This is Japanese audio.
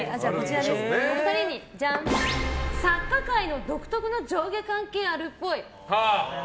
お二人に、作家界の独特の上下関係あるっぽい。